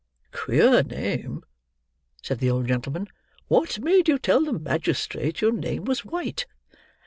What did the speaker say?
"Queer name!" said the old gentleman. "What made you tell the magistrate your name was White?"